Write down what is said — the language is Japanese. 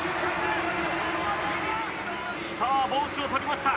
さあ帽子を取りました。